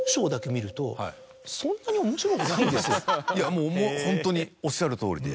もうホントにおっしゃるとおりで。